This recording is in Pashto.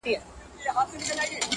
موږ په غیرې ارادي توګه